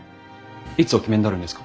いつお決めになるんですか？